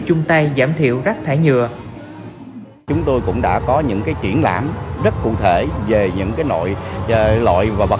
chung tay giảm thiệu rác thải nhựa